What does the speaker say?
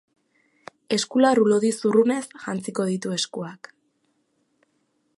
Eskularru lodi zurrunez jantziko ditu eskuak.